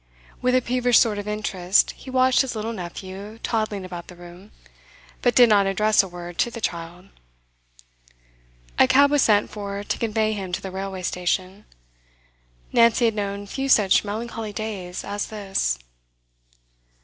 With a peevish sort of interest he watched his little nephew toddling about the room, but did not address a word to the child. A cab was sent for to convey him to the railway station. Nancy had known few such melancholy days as this.